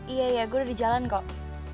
iya iya gue udah di jalan kok